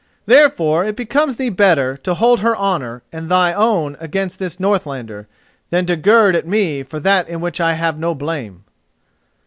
"Therefore it becomes thee better to hold her honour and thy own against this Northlander, than to gird at me for that in which I have no blame."